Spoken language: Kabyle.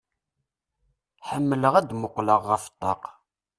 Ḥemmleɣ ad muqqleɣ ɣef ṭṭaq.